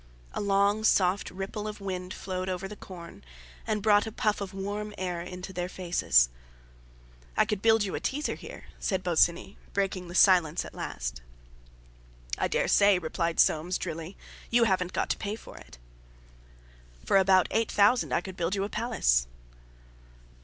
A long, soft ripple of wind flowed over the corn, and brought a puff of warm air into their faces. "I could build you a teaser here," said Bosinney, breaking the silence at last. "I dare say," replied Soames, drily. "You haven't got to pay for it." "For about eight thousand I could build you a palace."